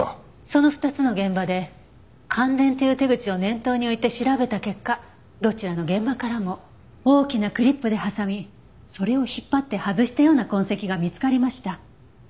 その２つの現場で感電という手口を念頭に置いて調べた結果どちらの現場からも大きなクリップで挟みそれを引っ張って外したような痕跡が見つかりました。